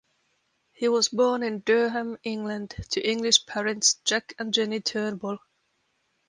He was born in Durham, England, to English parents Jack and Jenny Turnbull.